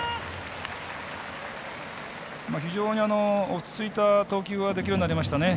非常に落ち着いた投球ができるようになりましたね。